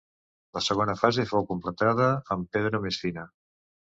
La segona fase fou completada amb pedra més fina.